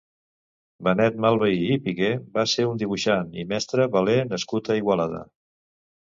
Benet Malvehí i Piqué va ser un dibuixant i mestre veler nascut a Igualada.